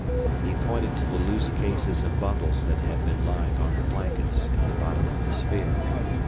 He pointed to the loose cases and bundles that had been lying on the blankets in the bottom of the sphere.